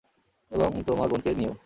এবং তোমার বোনকে নিয়েও।